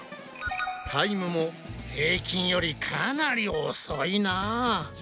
タイムも平均よりかなり遅いな。